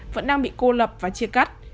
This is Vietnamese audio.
vẫn đang bị cô lập và chia cắt